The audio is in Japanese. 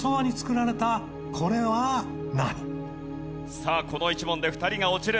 さあこの１問で２人が落ちる。